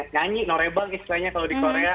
nyanyi no rebang istilahnya kalau di korea